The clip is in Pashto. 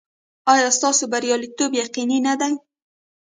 ایا ستاسو بریالیتوب یقیني نه دی؟